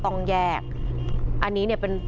ต้องแยกอันนี้เนี่ย